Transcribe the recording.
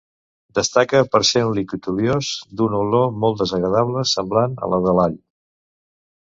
Destaca per ser un líquid oliós d'una olor molt desagradable, semblant a la de l'all.